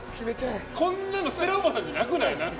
こんなのステラおばさんじゃなくない？